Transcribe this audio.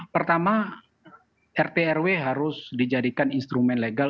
pertama rtrw harus dijadikan instrumen legal